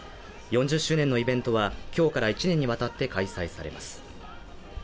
４０周年のイベントは今日から１年にわたって開催されます。